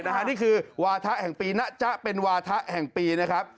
นี่คือวาทะแห่งปีนะจ๊ะเป็นวาถะแห่งปีนะครับ